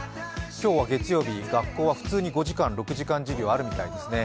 今日月曜日、学校は普通に５時間、６時間授業あるみたいですね。